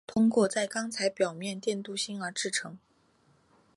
通过在钢材表面电镀锌而制成。